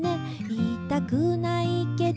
「言いたくないけど」